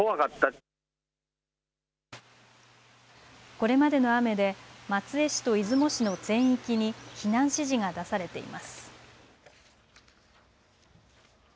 これまでの雨で松江市と出雲市の全域に避難指示が出されています。